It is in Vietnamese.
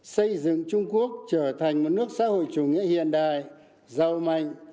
xây dựng trung quốc trở thành một nước xã hội chủ nghĩa hiện đại giàu mạnh